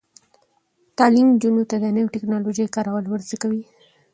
تعلیم نجونو ته د نوي ټیکنالوژۍ کارول ور زده کوي.